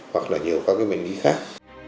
hoặc là nhiều các bệnh lý khác